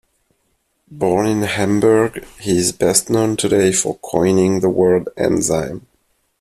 Born in Hamburg, he is best known today for coining the word enzyme.